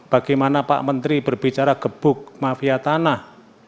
bagaimana pak menteri berbicara gebuk mafia tanah